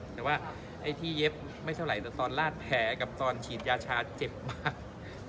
แต่ว่าไอ้ที่เย็บไม่เท่าไหร่แต่ตอนลาดแผลกับตอนฉีดยาชาเจ็บมาก